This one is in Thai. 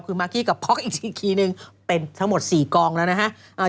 คือมากกี้กับพ็อกอีกทีนึงเป็นทั้งหมด๔กองแล้วนะฮะ